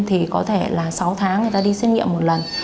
thì có thể là sáu tháng người ta đi xét nghiệm một lần